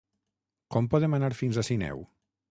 Com podem anar fins a Sineu?